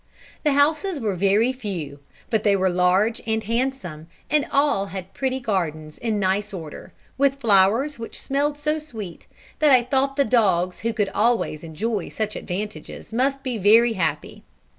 The houses were very few, but they were large and handsome, and all had pretty gardens in nice order, with flowers which smelt so sweet, that I thought the dogs who could always enjoy such advantages must be very happy.